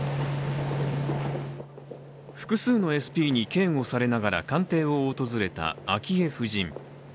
複数のＳＰに警護されながら官邸を訪れた昭恵夫人。